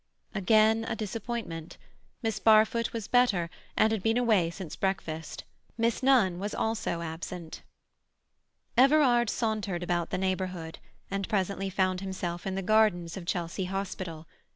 Again a disappointment. Miss Barfoot was better, and had been away since breakfast; Miss Nunn was also absent. Everard sauntered about the neighbourhood, and presently found himself in the gardens of Chelsea Hospital.